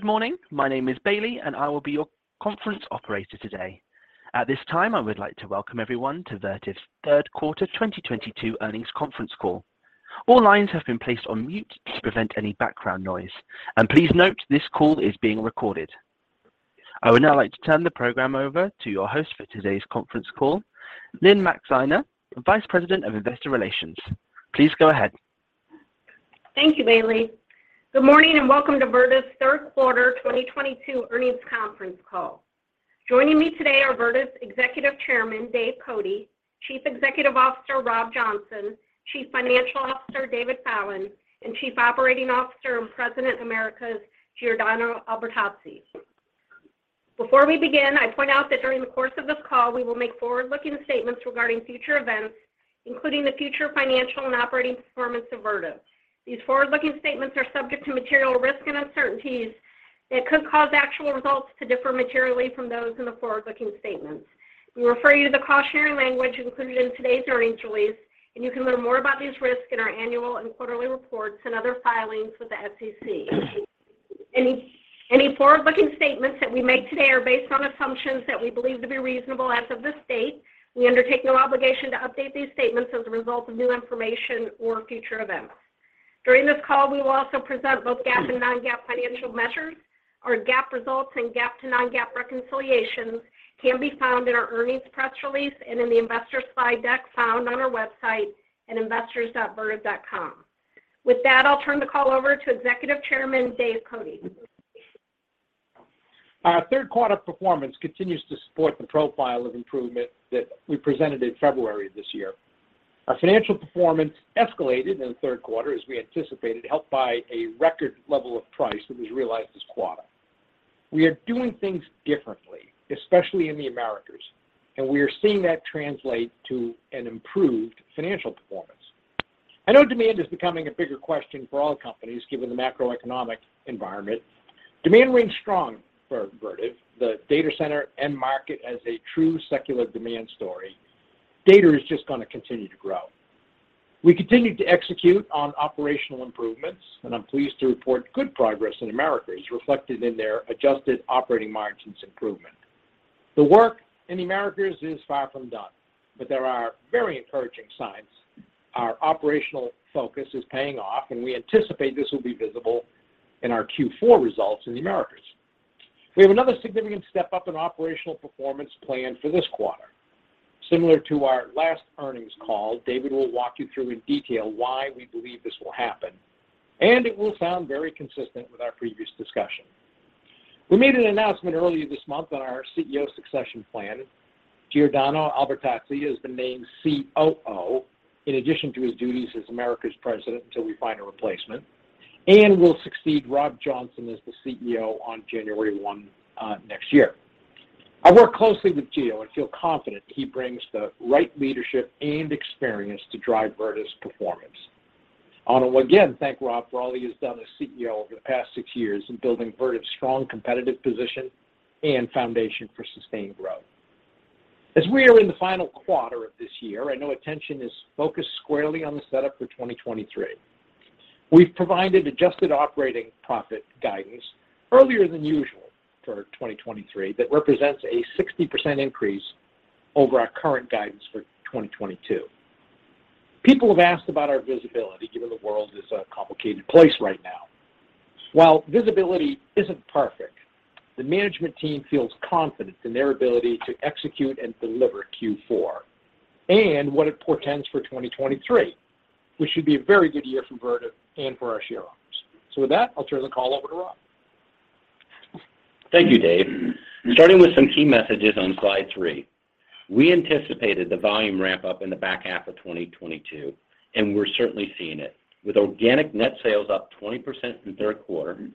Good morning. My name is Bailey, and I will be your conference operator today. At this time, I would like to welcome everyone to Vertiv's Third Quarter 2022 Earnings Conference Call. All lines have been placed on mute to prevent any background noise. Please note, this call is being recorded. I would now like to turn the program over to your host for today's conference call, Lynne Maxeiner, Vice President of Investor Relations. Please go ahead. Thank you, Bailey. Good morning, and welcome to Vertiv's Third Quarter 2022 Earnings Conference Call. Joining me today are Vertiv's Executive Chairman, Dave Cote, Chief Executive Officer, Rob Johnson, Chief Financial Officer, David Fallon, and Chief Operating Officer and President, Americas, Giordano Albertazzi. Before we begin, I point out that during the course of this call, we will make forward-looking statements regarding future events, including the future financial and operating performance of Vertiv. These forward-looking statements are subject to material risk and uncertainties that could cause actual results to differ materially from those in the forward-looking statements. We refer you to the cautionary language included in today's earnings release, and you can learn more about these risks in our annual and quarterly reports and other filings with the SEC. Any forward-looking statements that we make today are based on assumptions that we believe to be reasonable as of this date. We undertake no obligation to update these statements as a result of new information or future events. During this call, we will also present both GAAP and non-GAAP financial measures. Our GAAP results and GAAP to non-GAAP reconciliations can be found in our earnings press release and in the investor slide deck found on our website at investors.vertiv.com. With that, I'll turn the call over to Executive Chairman David M. Cote. Our third quarter performance continues to support the profile of improvement that we presented in February of this year. Our financial performance escalated in the third quarter as we anticipated, helped by a record level of price that was realized this quarter. We are doing things differently, especially in the Americas, and we are seeing that translate to an improved financial performance. I know demand is becoming a bigger question for all companies, given the macroeconomic environment. Demand remains strong for Vertiv, the data center and market as a true secular demand story. Data is just gonna continue to grow. We continued to execute on operational improvements, and I'm pleased to report good progress in Americas reflected in their adjusted operating margins improvement. The work in Americas is far from done, but there are very encouraging signs. Our operational focus is paying off, and we anticipate this will be visible in our Q4 results in the Americas. We have another significant step up in operational performance planned for this quarter. Similar to our last earnings call, David will walk you through in detail why we believe this will happen, and it will sound very consistent with our previous discussion. We made an announcement earlier this month on our CEO succession plan. Giordano Albertazzi is the named COO in addition to his duties as Americas president until we find a replacement, and will succeed Rob Johnson as the CEO on January 1, next year. I work closely with Gio and feel confident he brings the right leadership and experience to drive Vertiv's performance. I want to again thank Rob for all he has done as CEO over the past six years in building Vertiv's strong competitive position and foundation for sustained growth. As we are in the final quarter of this year, I know attention is focused squarely on the setup for 2023. We've provided adjusted operating profit guidance earlier than usual for 2023 that represents a 60% increase over our current guidance for 2022. People have asked about our visibility, given the world is a complicated place right now. While visibility isn't perfect, the management team feels confident in their ability to execute and deliver Q4 and what it portends for 2023, which should be a very good year for Vertiv and for our shareholders. With that, I'll turn the call over to Rob. Thank you, Dave. Starting with some key messages on Slide Three, we anticipated the volume ramp up in the back half of 2022, and we're certainly seeing it. With organic net sales up 20% in the third quarter,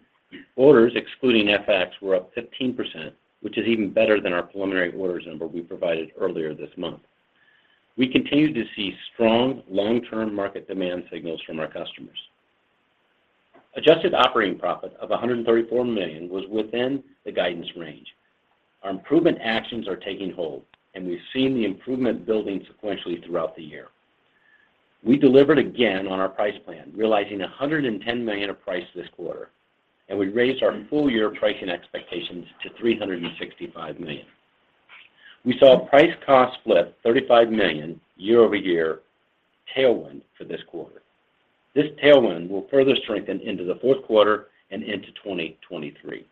orders excluding FX were up 15%, which is even better than our preliminary orders number we provided earlier this month. We continued to see strong long-term market demand signals from our customers. Adjusted operating profit of $134 million was within the guidance range. Our improvement actions are taking hold, and we've seen the improvement building sequentially throughout the year. We delivered again on our price plan, realizing $110 million of price this quarter, and we raised our full year pricing expectations to $365 million. We saw a price-cost split $35 million year-over-year tailwind for this quarter. This tailwind will further strengthen into the fourth quarter and into 2023.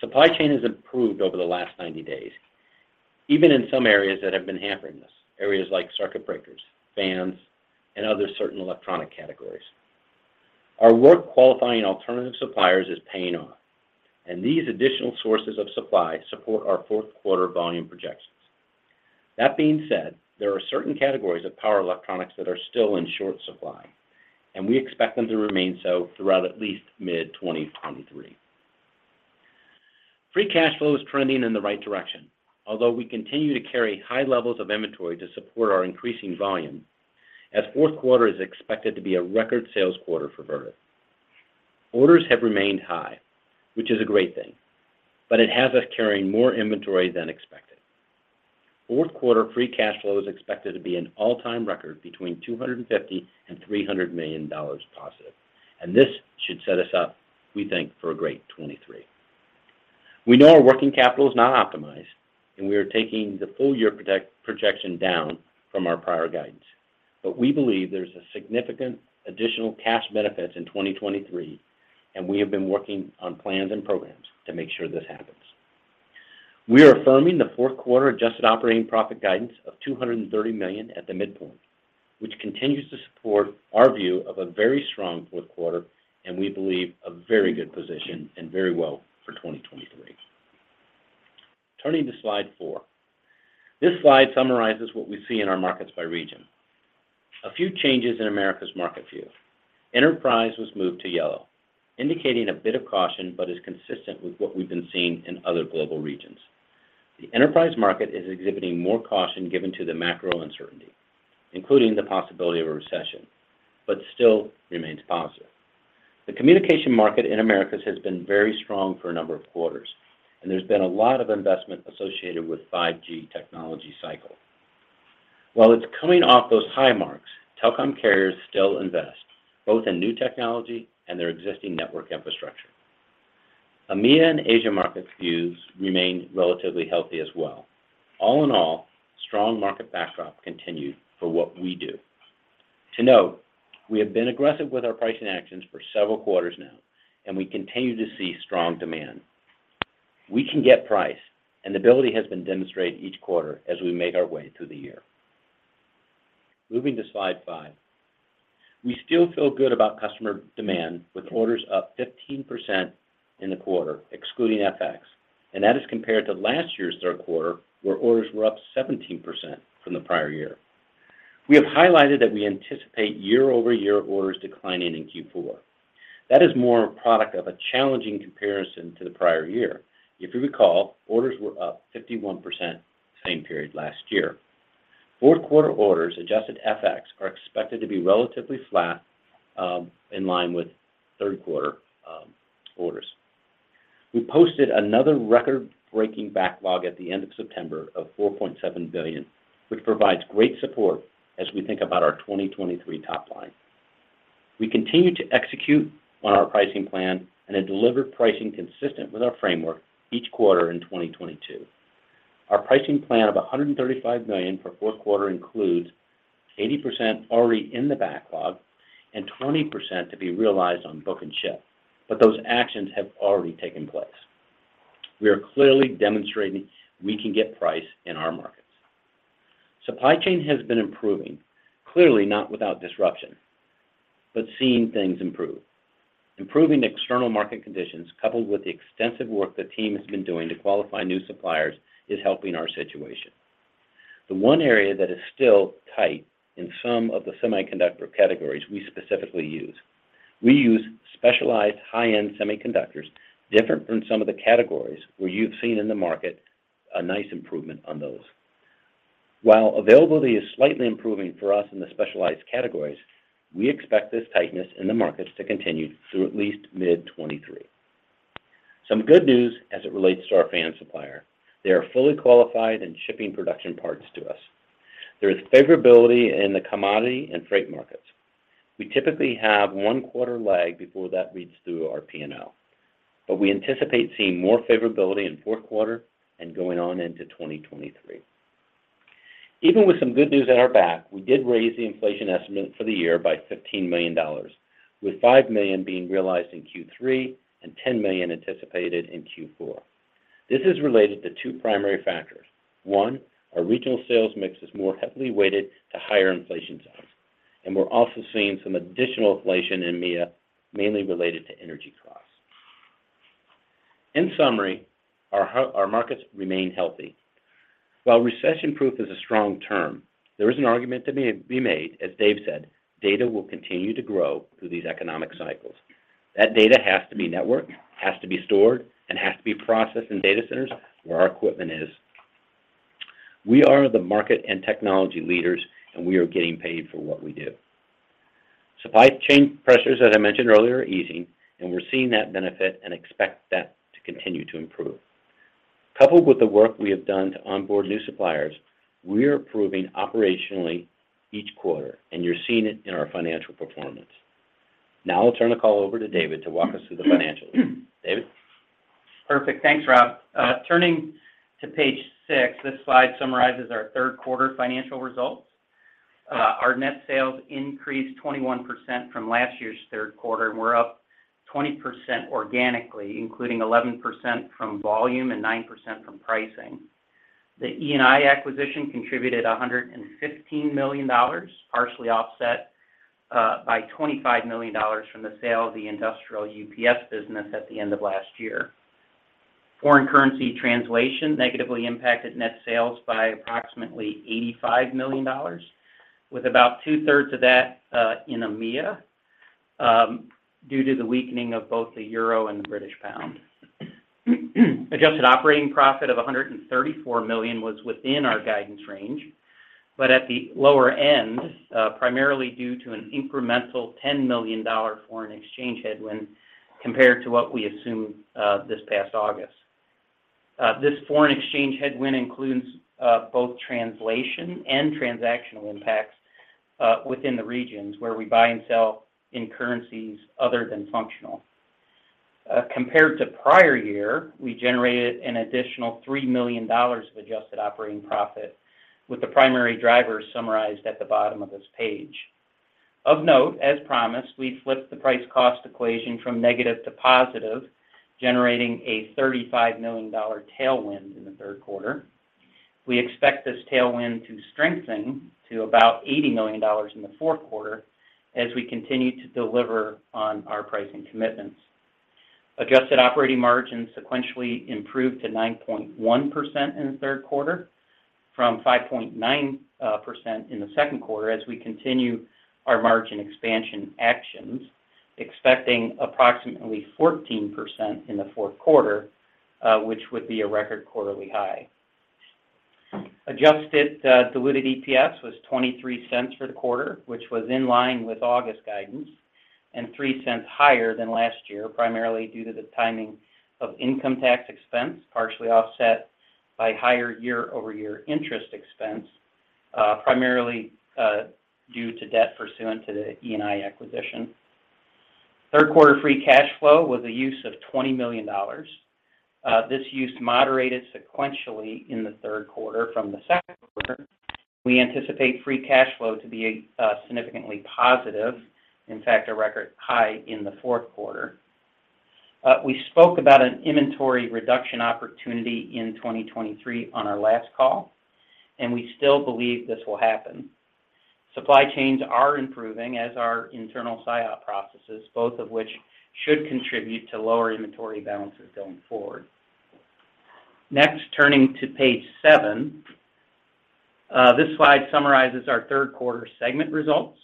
Supply chain has improved over the last 90 days, even in some areas that have been hampering us, areas like circuit breakers, fans, and other certain electronic categories. Our work qualifying alternative suppliers is paying off, and these additional sources of supply support our fourth quarter volume projections. That being said, there are certain categories of power electronics that are still in short supply, and we expect them to remain so throughout at least mid-2023. Free cash flow is trending in the right direction, although we continue to carry high levels of inventory to support our increasing volume as fourth quarter is expected to be a record sales quarter for Vertiv. Orders have remained high, which is a great thing, but it has us carrying more inventory than expected. Fourth quarter free cash flow is expected to be an all-time record between $250 million and $300 million positive. This should set us up, we think, for a great 2023. We know our working capital is not optimized, and we are taking the full-year projection down from our prior guidance. We believe there's a significant additional cash benefits in 2023, and we have been working on plans and programs to make sure this happens. We are affirming the fourth quarter adjusted operating profit guidance of $230 million at the midpoint, which continues to support our view of a very strong fourth quarter and we believe a very good position and very well for 2023. Turning to Slide Four. This slide summarizes what we see in our markets by region. A few changes in Americas market view. Enterprise was moved to yellow, indicating a bit of caution, but is consistent with what we've been seeing in other global regions. The enterprise market is exhibiting more caution given to the macro uncertainty, including the possibility of a recession, but still remains positive. The communication market in Americas has been very strong for a number of quarters, and there's been a lot of investment associated with 5G technology cycle. While it's coming off those high marks, telecom carriers still invest, both in new technology and their existing network infrastructure. EMEA and Asia market views remain relatively healthy as well. All in all, strong market backdrop continued for what we do. To note, we have been aggressive with our pricing actions for several quarters now, and we continue to see strong demand. We can get price. Ability has been demonstrated each quarter as we make our way through the year. Moving to Slide Five. We still feel good about customer demand with orders up 15% in the quarter, excluding FX, and that is compared to last year's third quarter, where orders were up 17% from the prior year. We have highlighted that we anticipate year-over-year orders declining in Q4. That is more a product of a challenging comparison to the prior year. If you recall, orders were up 51% same period last year. Fourth quarter orders, adjusted FX, are expected to be relatively flat, in line with third quarter orders. We posted another record-breaking backlog at the end of September of $4.7 billion, which provides great support as we think about our 2023 top line. We continue to execute on our pricing plan and have delivered pricing consistent with our framework each quarter in 2022. Our pricing plan of $135 million for fourth quarter includes 80% already in the backlog and 20% to be realized on book and ship, but those actions have already taken place. We are clearly demonstrating we can get price in our markets. Supply chain has been improving, clearly not without disruption, but seeing things improve. Improving external market conditions, coupled with the extensive work the team has been doing to qualify new suppliers, is helping our situation. The one area that is still tight in some of the semiconductor categories we specifically use. We use specialized high-end semiconductors different from some of the categories where you've seen in the market a nice improvement on those. While availability is slightly improving for us in the specialized categories, we expect this tightness in the markets to continue through at least mid-2023. Some good news as it relates to our fan supplier. They are fully qualified and shipping production parts to us. There is favorability in the commodity and freight markets. We typically have one quarter lag before that reads through our P&L, but we anticipate seeing more favorability in fourth quarter and going on into 2023. Even with some good news at our back, we did raise the inflation estimate for the year by $15 million, with $5 million being realized in Q3 and $10 million anticipated in Q4. This is related to two primary factors. One, our regional sales mix is more heavily weighted to higher inflation zones, and we're also seeing some additional inflation in EMEA, mainly related to energy costs. In summary, our markets remain healthy. While recession-proof is a strong term, there is an argument to be made, as Dave said, data will continue to grow through these economic cycles. That data has to be networked, has to be stored, and has to be processed in data centers where our equipment is. We are the market and technology leaders, and we are getting paid for what we do. Supply chain pressures, as I mentioned earlier, are easing, and we're seeing that benefit and expect that to continue to improve. Coupled with the work we have done to onboard new suppliers, we are improving operationally each quarter, and you're seeing it in our financial performance. Now I'll turn the call over to David to walk us through the financials. David? Perfect. Thanks, Rob. Turning to page six, this slide summarizes our third quarter financial results. Our net sales increased 21% from last year's third quarter, and we're up 20% organically, including 11% from volume and 9% from pricing. The E&I acquisition contributed $115 million, partially offset by $25 million from the sale of the industrial UPS business at the end of last year. Foreign currency translation negatively impacted net sales by approximately $85 million, with about 2/3 of that in EMEA due to the weakening of both the euro and the British pound. Adjusted operating profit of $134 million was within our guidance range. At the lower end, primarily due to an incremental $10 million foreign exchange headwind compared to what we assumed this past August. This foreign exchange headwind includes both translation and transactional impacts within the regions where we buy and sell in currencies other than functional. Compared to prior year, we generated an additional $3 million of adjusted operating profit with the primary drivers summarized at the bottom of this page. Of note, as promised, we flipped the price-cost equation from negative to positive, generating a $35 million tailwind in the third quarter. We expect this tailwind to strengthen to about $80 million in the fourth quarter as we continue to deliver on our pricing commitments. Adjusted operating margins sequentially improved to 9.1% in the third quarter from 5.9% in the second quarter as we continue our margin expansion actions, expecting approximately 14% in the fourth quarter, which would be a record quarterly high. Adjusted diluted EPS was $0.23 for the quarter, which was in line with August guidance and $0.03 higher than last year, primarily due to the timing of income tax expense, partially offset by higher year-over-year interest expense, primarily due to debt pursuant to the E&I acquisition. Third quarter free cash flow was a use of $20 million. This use moderated sequentially in the third quarter from the second quarter. We anticipate free cash flow to be significantly positive, in fact, a record high in the fourth quarter. We spoke about an inventory reduction opportunity in 2023 on our last call, and we still believe this will happen. Supply chains are improving as are internal SIOP processes, both of which should contribute to lower inventory balances going forward. Next, turning to page seven. This slide summarizes our third quarter segment results.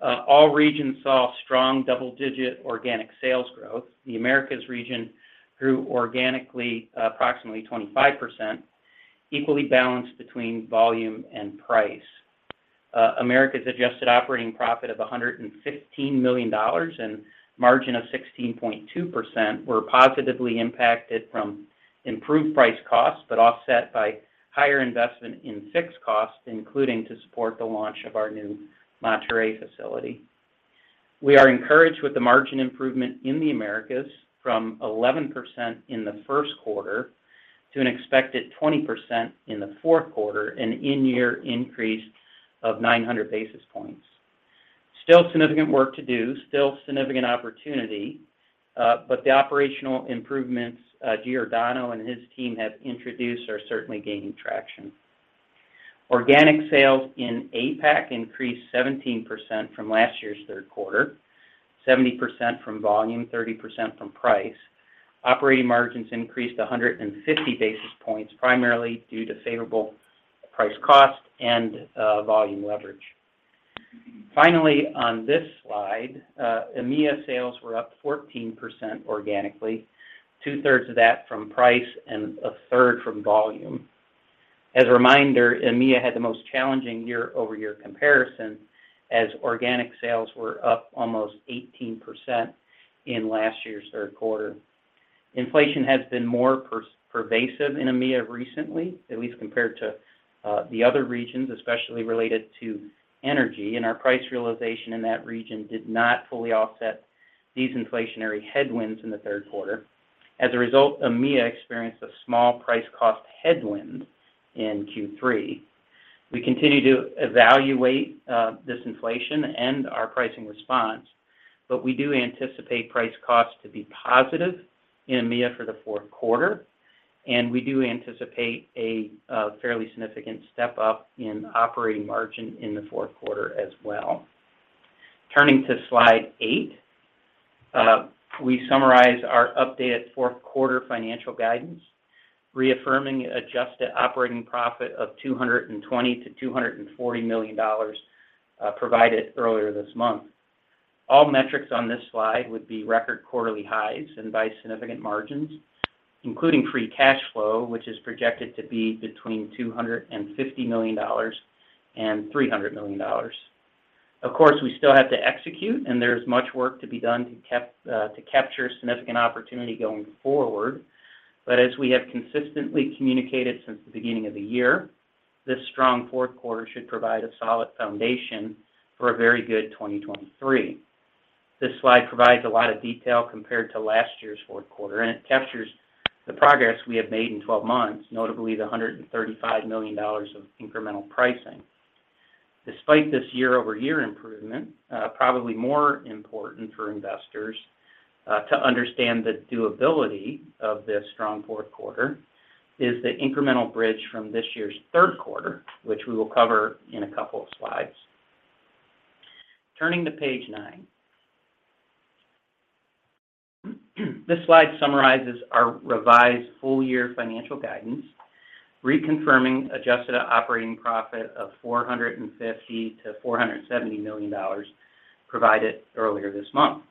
All regions saw strong double-digit organic sales growth. The Americas region grew organically, approximately 25%, equally balanced between volume and price. Americas adjusted operating profit of $115 million and margin of 16.2% were positively impacted from improved price-cost, but offset by higher investment in fixed costs, including to support the launch of our new Monterrey facility. We are encouraged with the margin improvement in the Americas from 11% in the first quarter to an expected 20% in the fourth quarter, an in-year increase of 900 basis points. Still significant work to do, still significant opportunity, but the operational improvements, Giordano and his team have introduced are certainly gaining traction. Organic sales in APAC increased 17% from last year's third quarter, 70% from volume, 30% from price. Operating margins increased 150 basis points, primarily due to favorable price-cost and volume leverage. Finally, on this slide, EMEA sales were up 14% organically, 2/3 of that from price and 1/3 from volume. As a reminder, EMEA had the most challenging year-over-year comparison as organic sales were up almost 18% in last year's third quarter. Inflation has been more pervasive in EMEA recently, at least compared to the other regions, especially related to energy, and our price realization in that region did not fully offset these inflationary headwinds in the third quarter. As a result, EMEA experienced a small price-cost headwind in Q3. We continue to evaluate this inflation and our pricing response, but we do anticipate price-cost to be positive in EMEA for the fourth quarter, and we do anticipate a fairly significant step up in operating margin in the fourth quarter as well. Turning to Slide Eight, we summarize our updated fourth quarter financial guidance, reaffirming adjusted operating profit of $220 million-$240 million, provided earlier this month. All metrics on this slide would be record quarterly highs and by significant margins, including free cash flow, which is projected to be between $250 million and $300 million. Of course, we still have to execute, and there is much work to be done to capture significant opportunity going forward. As we have consistently communicated since the beginning of the year, this strong fourth quarter should provide a solid foundation for a very good 2023. This slide provides a lot of detail compared to last year's fourth quarter, and it captures the progress we have made in 12 months, notably the $135 million of incremental pricing. Despite this year-over-year improvement, probably more important for investors, to understand the durability of this strong fourth quarter is the incremental bridge from this year's third quarter, which we will cover in a couple of slides. Turning to page nine. This slide summarizes our revised full-year financial guidance, reconfirming adjusted operating profit of $450 million-$470 million provided earlier this month.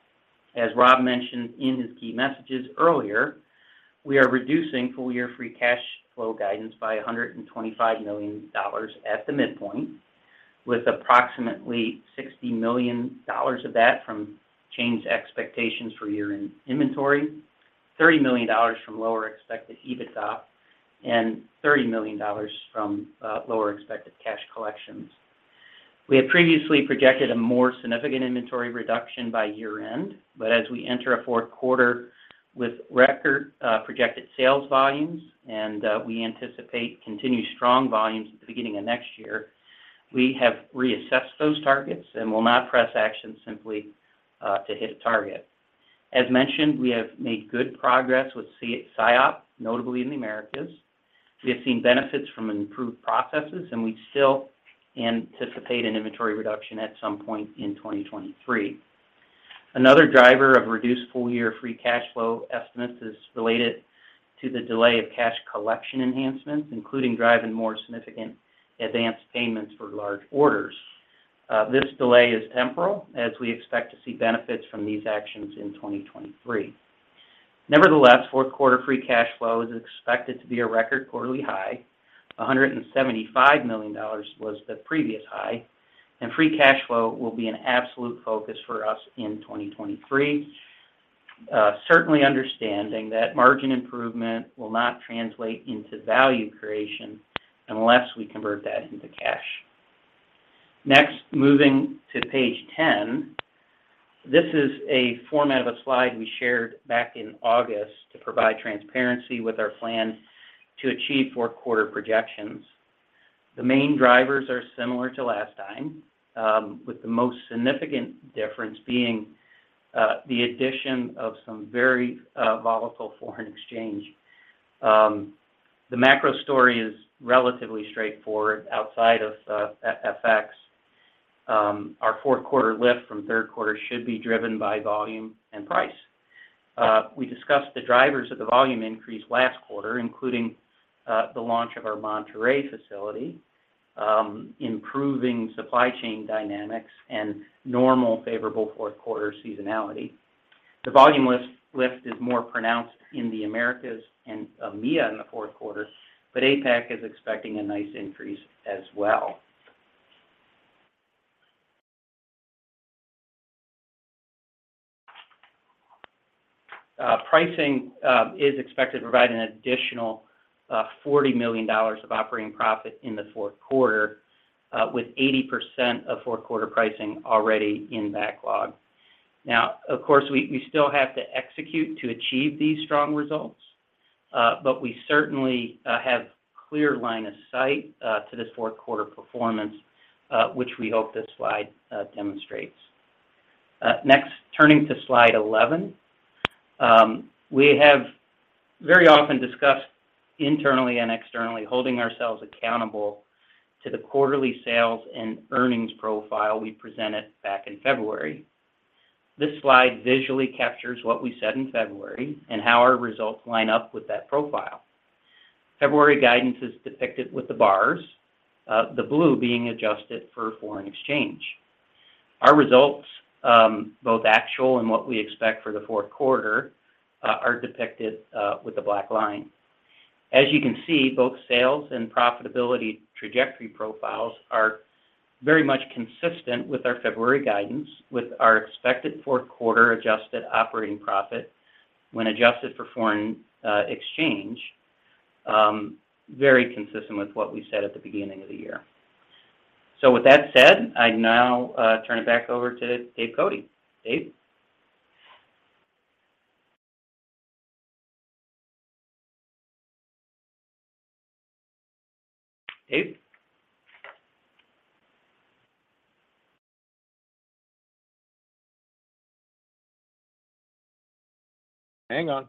As Rob mentioned in his key messages earlier. We are reducing full-year free cash flow guidance by $125 million at the midpoint, with approximately $60 million of that from changed expectations for year-end inventory, $30 million from lower expected EBITDA, and $30 million from lower expected cash collections. We had previously projected a more significant inventory reduction by year-end, but as we enter a fourth quarter with record projected sales volumes, and we anticipate continued strong volumes at the beginning of next year, we have reassessed those targets and will not press action simply to hit a target. As mentioned, we have made good progress with SIOP, notably in the Americas. We have seen benefits from improved processes, and we still anticipate an inventory reduction at some point in 2023. Another driver of reduced full-year free cash flow estimates is related to the delay of cash collection enhancements, including driving more significant advance payments for large orders. This delay is temporary, as we expect to see benefits from these actions in 2023. Nevertheless, fourth quarter free cash flow is expected to be a record quarterly high. $175 million was the previous high. Free cash flow will be an absolute focus for us in 2023, certainly understanding that margin improvement will not translate into value creation unless we convert that into cash. Next, moving to page 10. This is a format of a slide we shared back in August to provide transparency with our plan to achieve fourth quarter projections. The main drivers are similar to last time, with the most significant difference being the addition of some very volatile foreign exchange. The macro story is relatively straightforward outside of FX. Our fourth quarter lift from third quarter should be driven by volume and price. We discussed the drivers of the volume increase last quarter, including the launch of our Monterrey facility, improving supply chain dynamics and normal favorable fourth quarter seasonality. The volume lift is more pronounced in the Americas and EMEA in the fourth quarter, but APAC is expecting a nice increase as well. Pricing is expected to provide an additional $40 million of operating profit in the fourth quarter, with 80% of fourth quarter pricing already in backlog. Now, of course, we still have to execute to achieve these strong results, but we certainly have clear line of sight to this fourth quarter performance, which we hope this slide demonstrates. Next, turning to Slide 11. We have very often discussed internally and externally holding ourselves accountable to the quarterly sales and earnings profile we presented back in February. This slide visually captures what we said in February and how our results line up with that profile. February guidance is depicted with the bars, the blue being adjusted for foreign exchange. Our results, both actual and what we expect for the fourth quarter, are depicted with the black line. As you can see, both sales and profitability trajectory profiles are very much consistent with our February guidance, with our expected fourth quarter adjusted operating profit when adjusted for foreign exchange very consistent with what we said at the beginning of the year. With that said, I now turn it back over to Dave Cote. Dave? Hang on.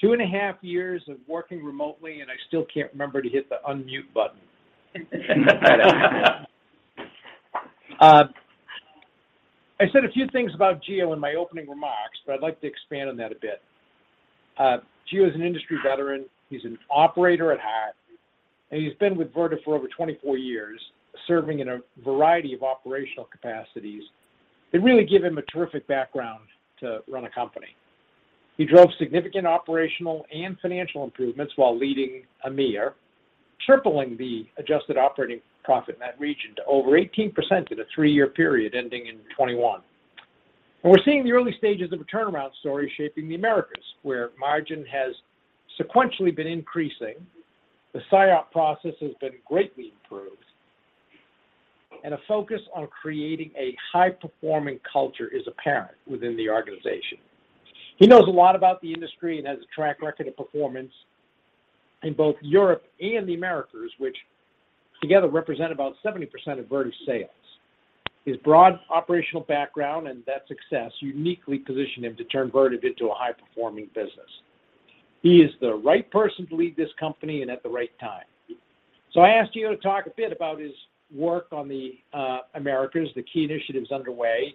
Two and a half years of working remotely, and I still can't remember to hit the unmute button. I said a few things about Gio in my opening remarks, but I'd like to expand on that a bit. Gio is an industry veteran. He's an operator at heart, and he's been with Vertiv for over 24 years, serving in a variety of operational capacities that really give him a terrific background to run a company. He drove significant operational and financial improvements while leading EMEA, tripling the adjusted operating profit in that region to over 18% in a three-year period ending in 2021. We're seeing the early stages of a turnaround story shaping the Americas, where margin has sequentially been increasing, the SIOP process has been greatly improved, and a focus on creating a high-performing culture is apparent within the organization. He knows a lot about the industry and has a track record of performance in both Europe and the Americas, which together represent about 70% of Vertiv's sales. His broad operational background and that success uniquely position him to turn Vertiv into a high-performing business. He is the right person to lead this company and at the right time. I asked Gio to talk a bit about his work on the Americas, the key initiatives underway,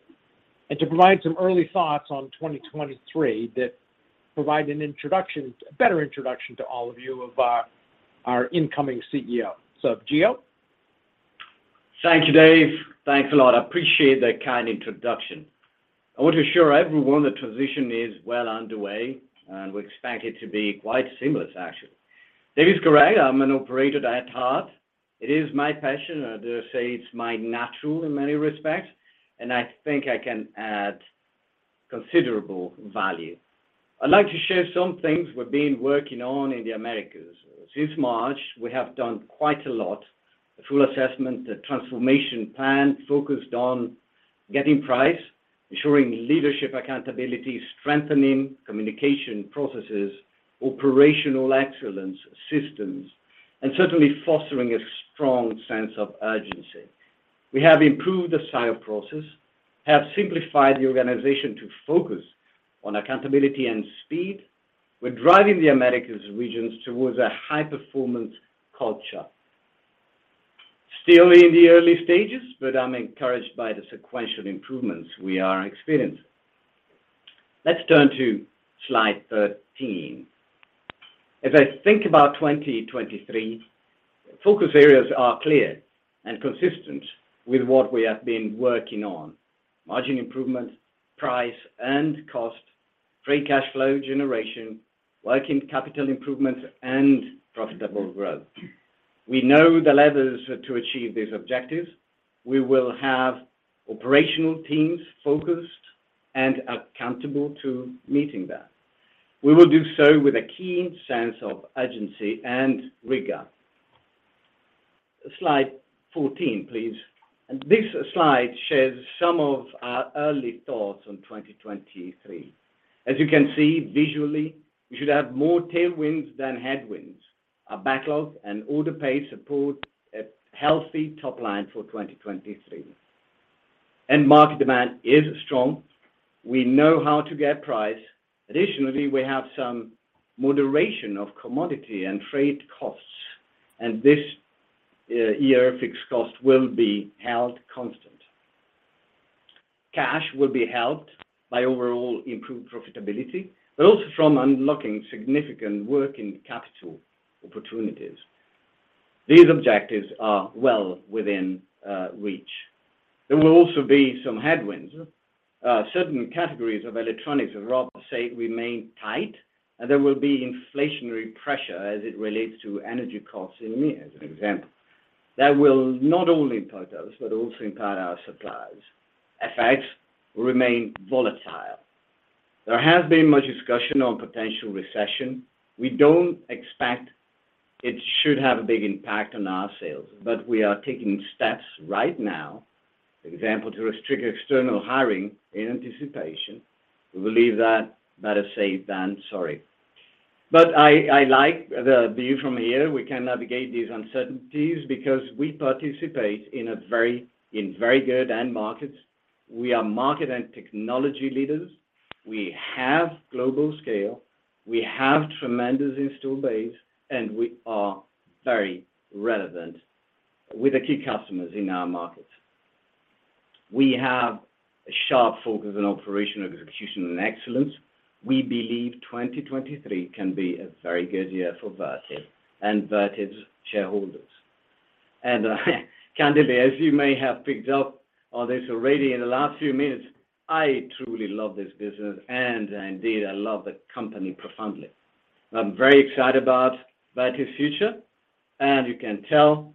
and to provide some early thoughts on 2023 that provide an introduction, a better introduction to all of you of our incoming CEO. Gio? Thank you, Dave. Thanks a lot. I appreciate the kind introduction. I want to assure everyone the transition is well underway, and we expect it to be quite seamless, actually. Dave is correct, I'm an operator at heart. It is my passion. I dare say it's my nature in many respects, and I think I can add considerable value. I'd like to share some things we've been working on in the Americas. Since March, we have done quite a lot. A full assessment, a transformation plan focused on getting pricing, ensuring leadership accountability, strengthening communication processes, operational excellence systems, and certainly fostering a strong sense of urgency. We have improved the sales process, have simplified the organization to focus on accountability and speed. We're driving the Americas regions towards a high-performance culture. Still in the early stages, but I'm encouraged by the sequential improvements we are experiencing. Let's turn to Slide 13. As I think about 2023, focus areas are clear and consistent with what we have been working on: margin improvement, price and cost, free cash flow generation, working capital improvements, and profitable growth. We know the levers to achieve these objectives. We will have operational teams focused and accountable to meeting that. We will do so with a keen sense of urgency and rigor. Slide 14, please. This slide shares some of our early thoughts on 2023. As you can see visually, we should have more tailwinds than headwinds. Our backlog and order pace support a healthy top line for 2023. End market demand is strong. We know how to get price. Additionally, we have some moderation of commodity and freight costs, and this year fixed cost will be held constant. Cash will be helped by overall improved profitability, but also from unlocking significant working capital opportunities. These objectives are well within reach. There will also be some headwinds. Certain categories of electronics, as Rob said, remain tight, and there will be inflationary pressure as it relates to energy costs in EMEA, as an example. That will not only impact us, but also impact our suppliers. FX will remain volatile. There has been much discussion on potential recession. We don't expect it should have a big impact on our sales, but we are taking steps right now, for example, to restrict external hiring in anticipation. We believe that better safe than sorry. I like the view from here. We can navigate these uncertainties because we participate in very good end markets. We are market and technology leaders. We have global scale. We have tremendous install base, and we are very relevant with the key customers in our markets. We have a sharp focus on operational execution and excellence. We believe 2023 can be a very good year for Vertiv and Vertiv's shareholders. Candidly, as you may have picked up on this already in the last few minutes, I truly love this business, and indeed, I love the company profoundly. I'm very excited about Vertiv's future, and you can tell,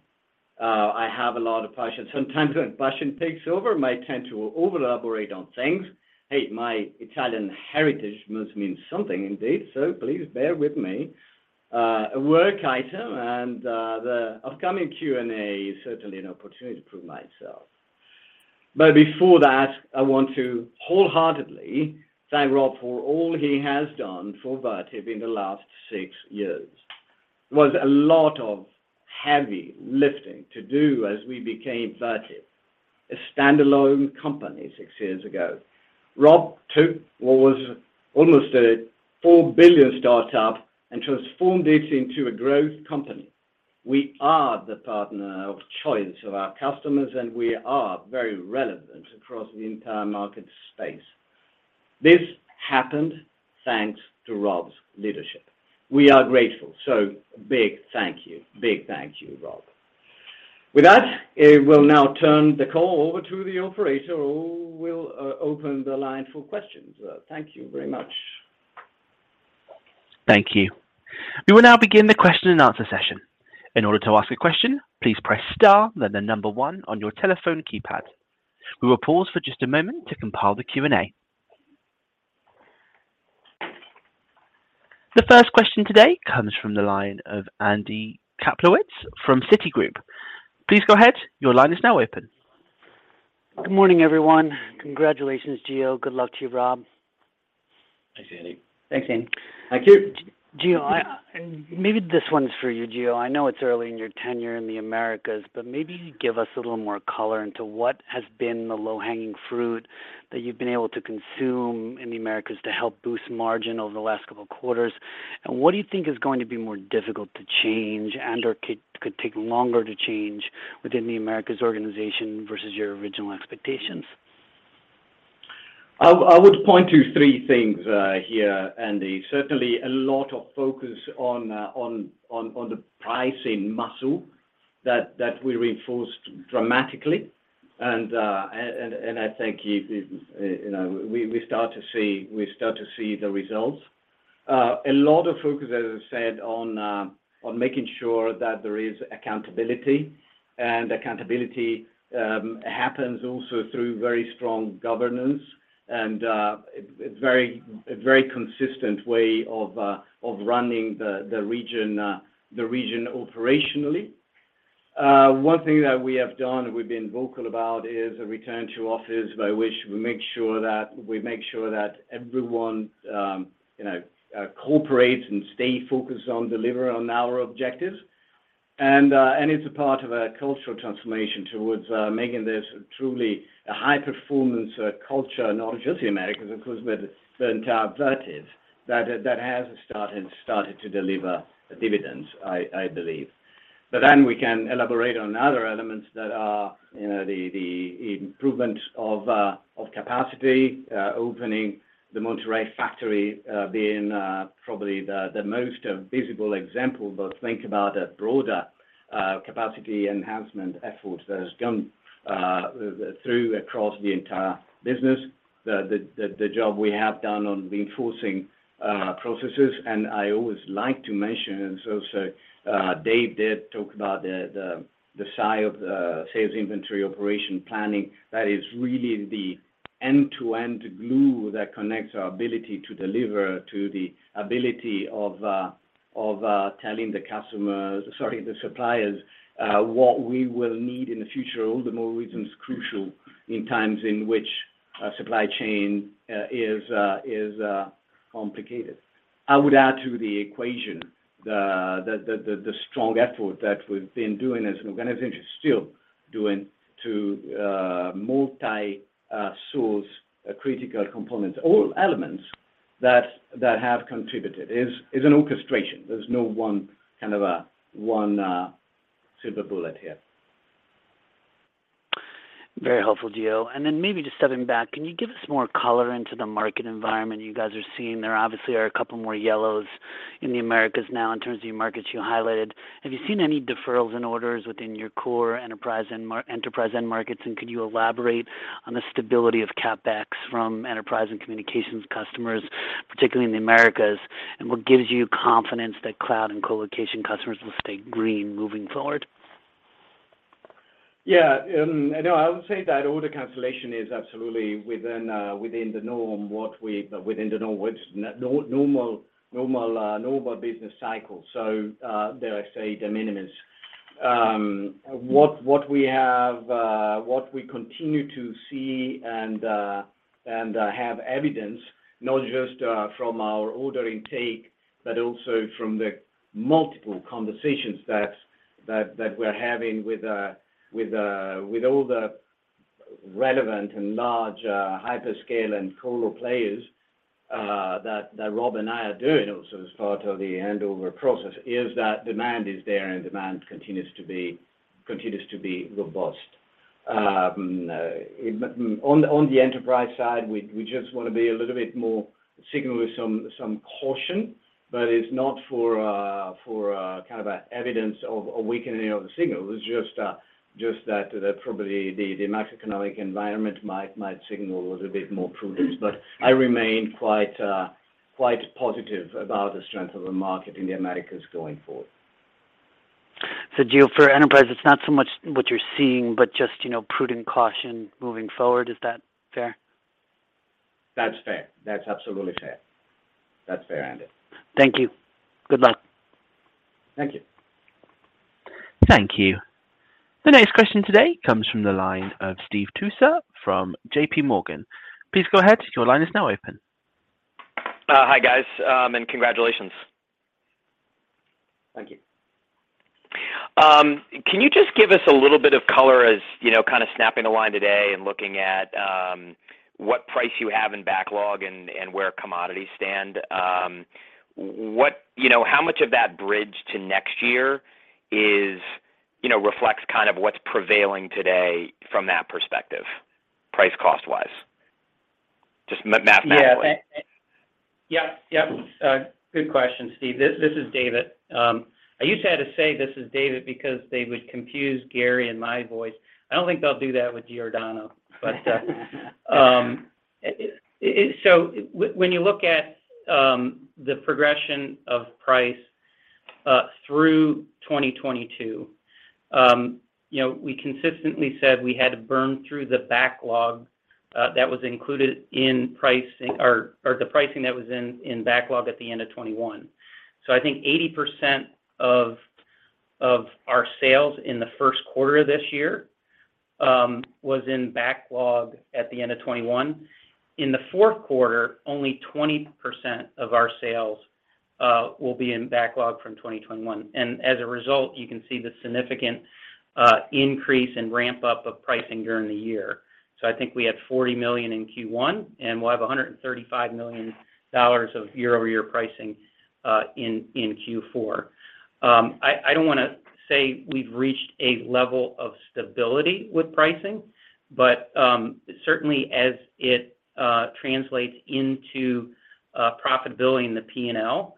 I have a lot of passion. Sometimes when passion takes over, I might tend to over-elaborate on things. Hey, my Italian heritage must mean something indeed, so please bear with me. The upcoming Q&A is certainly an opportunity to prove myself. Before that, I want to wholeheartedly thank Rob for all he has done for Vertiv in the last six years. There was a lot of heavy lifting to do as we became Vertiv, a standalone company six years ago. Rob took what was almost a $4 billion startup and transformed it into a growth company. We are the partner of choice of our customers, and we are very relevant across the entire market space. This happened thanks to Rob's leadership. We are grateful. Big thank you. Big thank you, Rob. With that, I will now turn the call over to the operator who will open the line for questions. Thank you very much. Thank you. We will now begin the question and answer session. In order to ask a question, please press star, then the number one on your telephone keypad. We will pause for just a moment to compile the Q&A. The first question today comes from the line of Andy Kaplowitz from Citigroup. Please go ahead. Your line is now open. Good morning, everyone. Congratulations, Gio. Good luck to you, Rob. Thanks, Andy. Thanks, Andy. Thank you. Gio, maybe this one's for you, Gio. I know it's early in your tenure in the Americas, but maybe give us a little more color into what has been the low-hanging fruit that you've been able to consume in the Americas to help boost margin over the last couple of quarters. What do you think is going to be more difficult to change and/or could take longer to change within the Americas organization versus your original expectations? I would point to three things here, Andy. Certainly a lot of focus on the pricing muscle that we reinforced dramatically. I think you know we start to see the results. A lot of focus, as I said, on making sure that there is accountability. Accountability happens also through very strong governance and a very consistent way of running the region operationally. One thing that we have done, we've been vocal about, is a return to office by which we make sure that everyone you know cooperates and stay focused on delivering on our objectives. It's a part of a cultural transformation towards making this truly a high performance culture, not just the Americas, of course, but the entire Vertiv. That has started to deliver dividends, I believe. We can elaborate on other elements that are, you know, the improvement of capacity, opening the Monterrey factory being probably the most visible example. Think about a broader capacity enhancement effort that has gone through across the entire business. The job we have done on reinforcing processes. I always like to mention, Dave did talk about the SIOP, the Sales, Inventory, and Operations Planning. That is really the end-to-end glue that connects our ability to deliver to the ability of telling the customers, sorry, the suppliers what we will need in the future. All the more reason it's crucial in times in which supply chain is complicated. I would add to the equation the strong effort that we've been doing as an organization is still doing to multi-source critical components. All elements that have contributed. It is an orchestration. There's no one kind of a silver bullet here. Very helpful, Gio. Maybe just stepping back, can you give us more color into the market environment you guys are seeing? There obviously are a couple more yellows in the Americas now in terms of your markets you highlighted. Have you seen any deferrals in orders within your core enterprise end markets? Could you elaborate on the stability of CapEx from enterprise and communications customers, particularly in the Americas, and what gives you confidence that cloud and colocation customers will stay green moving forward? Yeah. No, I would say that order cancellation is absolutely within the norm, which normal business cycle. Dare I say de minimis. What we continue to see and have evidence, not just from our order intake, but also from the multiple conversations that we're having with all the relevant and large hyperscale and colo players, that Rob and I are doing also as part of the handover process, is that demand is there and demand continues to be robust. On the enterprise side, we just wanna be a little bit more signal with some caution, but it's not kind of evidence of a weakening of the signal. It's just that probably the macroeconomic environment might signal a bit more prudence. I remain quite positive about the strength of the market in the Americas going forward. Gio, for enterprise, it's not so much what you're seeing, but just, you know, prudent caution moving forward. Is that fair? That's fair. That's absolutely fair. That's fair, Andy. Thank you. Good luck. Thank you. Thank you. The next question today comes from the line of Steve Tusa from JPMorgan. Please go ahead, your line is now open. Hi guys, congratulations. Thank you. Can you just give us a little bit of color as, you know, kind of snapping the line today and looking at what price you have in backlog and where commodities stand? You know, how much of that bridge to next year is, you know, reflects kind of what's prevailing today from that perspective, price-cost-wise? Just mathematically. Yeah. Yep. Good question, Steve. This is David. I used to have to say this is David because they would confuse Gary and my voice. I don't think they'll do that with Giordano. When you look at the progression of pricing through 2022, you know, we consistently said we had to burn through the backlog that was included in pricing or the pricing that was in backlog at the end of 2021. I think 80% of our sales in the first quarter of this year was in backlog at the end of 2021. In the fourth quarter, only 20% of our sales will be in backlog from 2021. As a result, you can see the significant increase and ramp up of pricing during the year. I think we had $40 million in Q1, and we'll have $135 million of year-over-year pricing in Q4. I don't wanna say we've reached a level of stability with pricing, but certainly as it translates into profitability in the P&L, you know,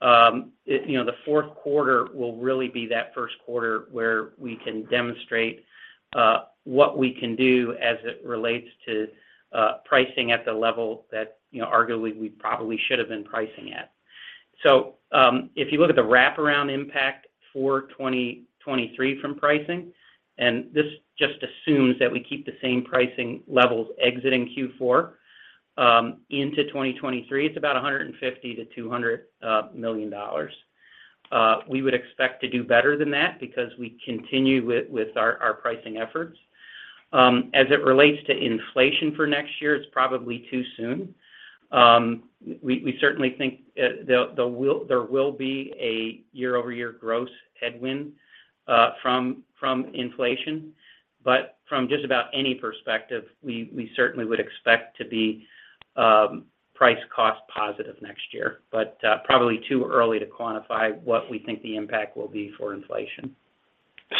the fourth quarter will really be that first quarter where we can demonstrate what we can do as it relates to pricing at the level that, you know, arguably we probably should have been pricing at. If you look at the wraparound impact for 2023 from pricing, and this just assumes that we keep the same pricing levels exiting Q4 into 2023, it's about $150 million-$200 million. We would expect to do better than that because we continue with our pricing efforts. As it relates to inflation for next year, it's probably too soon. We certainly think there will be a year-over-year gross headwind from inflation. From just about any perspective, we certainly would expect to be price-cost positive next year. Probably too early to quantify what we think the impact will be for inflation.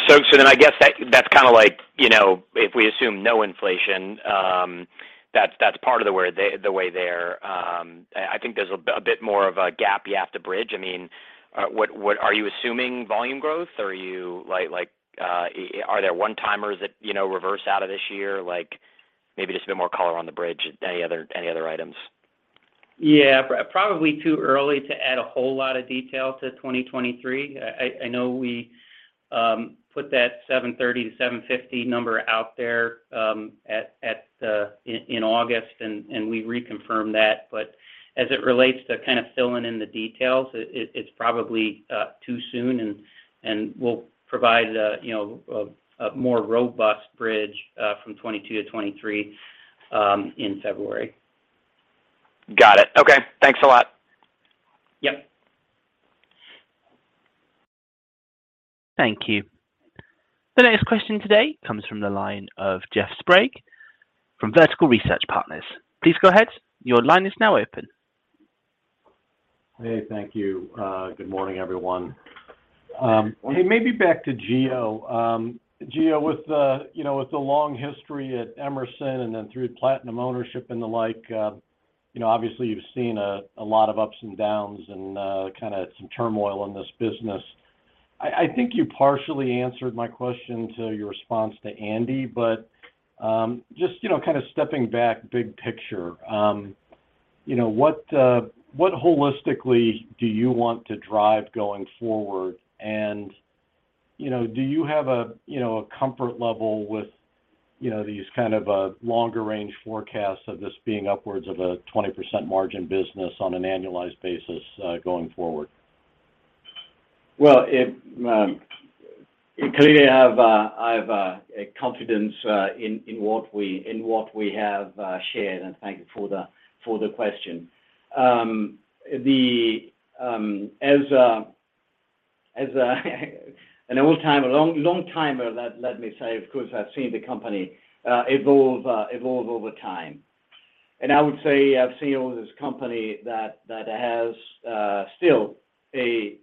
I guess that's kind of like, you know, if we assume no inflation, that's part of the way they're. I think there's a bit more of a gap you have to bridge. I mean, what? Are you assuming volume growth? Are you like, are there one-timers that, you know, reverse out of this year? Like, maybe just a bit more color on the bridge. Any other items? Yeah. Probably too early to add a whole lot of detail to 2023. I know we put that $730 million-$750 million number out there in August, and we reconfirmed that. As it relates to kind of filling in the details, it's probably too soon, and we'll provide you know, a more robust bridge from 2022 to 2023 in February. Got it. Okay. Thanks a lot. Yep. Thank you. The next question today comes from the line of Jeffrey Sprague from Vertical Research Partners. Please go ahead. Your line is now open. Hey. Thank you. Good morning, everyone. Hey, maybe back to Gio. Gio, with you know, with the long history at Emerson and then through Platinum Equity ownership and the like, you know, obviously you've seen a lot of ups and downs and kind of some turmoil in this business. I think you partially answered my question to your response to Andy, but just, you know, kind of stepping back big picture, you know, what holistically do you want to drive going forward? And, you know, do you have a you know, a comfort level with you know, these kind of longer range forecasts of this being upwards of a 20% margin business on an annualized basis going forward? Well, clearly I have a confidence in what we have shared, and thank you for the question. As an old-timer, long-timer, let me say, of course, I've seen the company evolve over time. I would say I've seen this company that has still a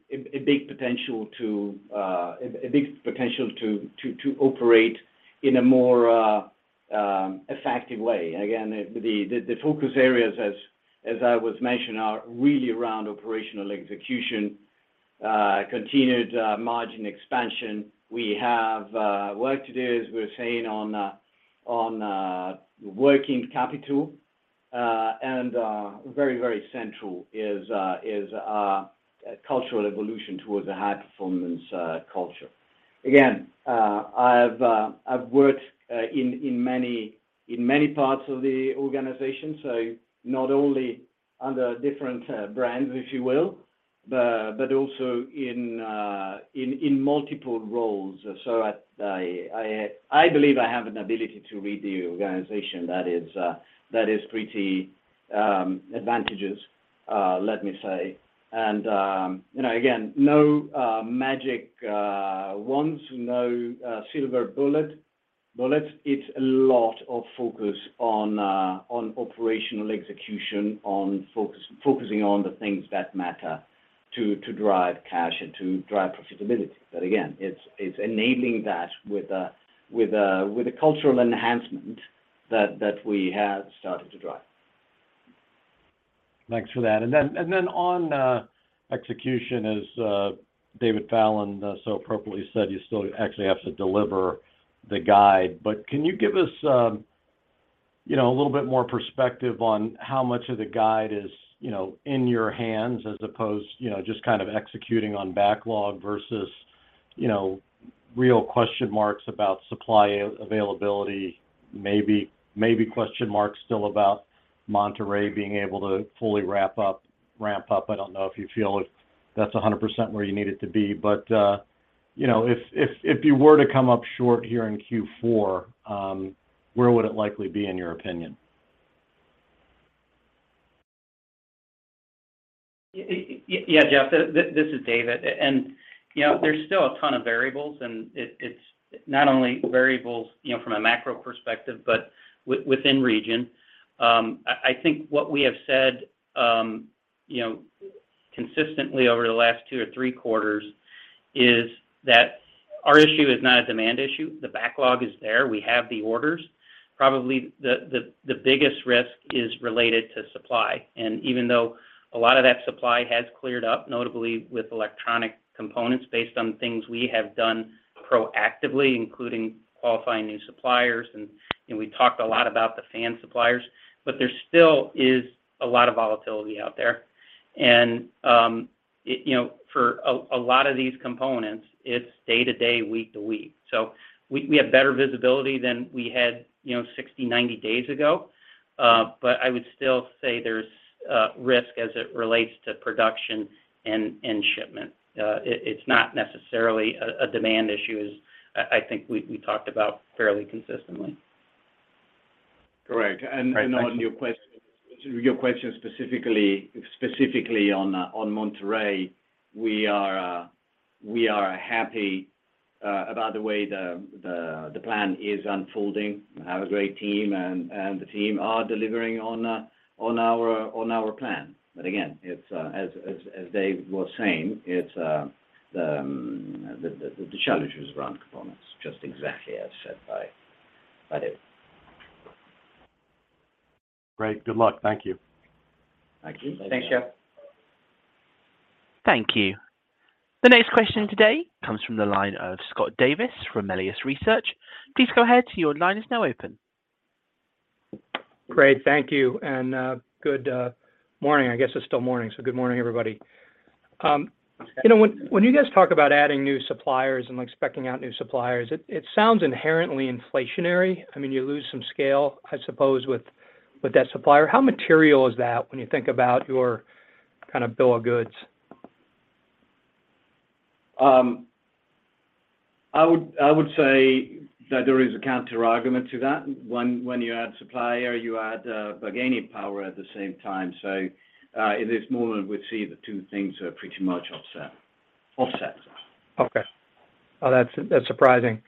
big potential to operate in a more effective way. Again, the focus areas as I was mentioning are really around operational execution, continued margin expansion. We have work to do, as we were saying, on working capital. Very central is cultural evolution towards a high-performance culture. Again, I've worked in many parts of the organization, so not only under different brands, if you will, but also in multiple roles. I believe I have an ability to read the organization that is pretty advantageous, let me say. You know, again, no magic wands, no silver bullets. It's a lot of focus on operational execution, on focusing on the things that matter to drive cash and to drive profitability. Again, it's enabling that with a cultural enhancement that we have started to drive. Thanks for that. On execution as David Fallon so appropriately said, you still actually have to deliver the guide. Can you give us, you know, a little bit more perspective on how much of the guide is, you know, in your hands as opposed, you know, just kind of executing on backlog versus, you know, real question marks about supply availability, maybe question marks still about Monterrey being able to fully wrap up, ramp up? I don't know if you feel that's 100% where you need it to be. You know, if you were to come up short here in Q4, where would it likely be in your opinion? Yeah, Jeff, this is David. You know, there's still a ton of variables, and it's not only variables, you know, from a macro perspective, but within regions. I think what we have said, you know, consistently over the last two or three quarters is that our issue is not a demand issue. The backlog is there. We have the orders. Probably the biggest risk is related to supply. Even though a lot of that supply has cleared up, notably with electronic components based on things we have done proactively, including qualifying new suppliers and, you know, we talked a lot about the fan suppliers, but there still is a lot of volatility out there. You know, for a lot of these components, it's day to day, week to week. We have better visibility than we had, you know, 60, 90 days ago. I would still say there's risk as it relates to production and shipment. It's not necessarily a demand issue as I think we talked about fairly consistently. Correct. Right. Thanks. On your question specifically on Monterrey, we are happy about the way the plan is unfolding. We have a great team, and the team are delivering on our plan. Again, it's as Dave was saying, it's the challenge is around components, just exactly as said by Dave. Great. Good luck. Thank you. Thank you. Thanks, Jeff. Thank you. The next question today comes from the line of Scott Davis from Melius Research. Please go ahead. Your line is now open. Great. Thank you. Good morning. I guess it's still morning, so good morning, everybody. You know, when you guys talk about adding new suppliers and, like, speccing out new suppliers, it sounds inherently inflationary. I mean, you lose some scale, I suppose, with that supplier. How material is that when you think about your kind of bill of goods? I would say that there is a counterargument to that. When you add supplier, you add bargaining power at the same time. At this moment, we see the two things are pretty much offset. Okay. Oh, that's surprising,